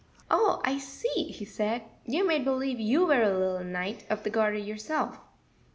"Oh, I see," he said; "you made believe you were a little Knight of the Garter yourself."